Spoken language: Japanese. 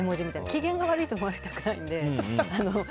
機嫌が悪いと思われたくないので。